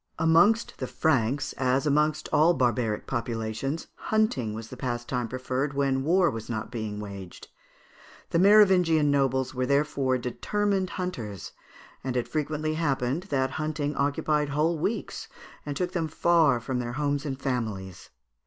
Amongst the Franks, as amongst all barbaric populations, hunting was the pastime preferred when war was not being waged. The Merovingian nobles were therefore determined hunters, and it frequently happened that hunting occupied whole weeks, and took them far from their homes and families.